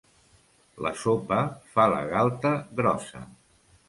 La sopa fa la galta grossa.